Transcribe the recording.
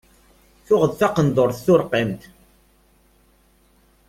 Tuɣ-d taqendurt turqimt.